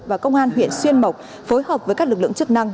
và công an huyện xuyên mộc phối hợp với các lực lượng chức năng